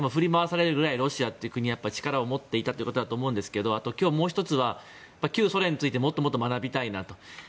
そのぐらいロシアが力を持っていたということだと思うんですがあと、今日もう１つは旧ソ連についてもっともっと学びたいなと。